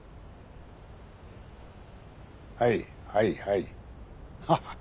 はいはいはいハハ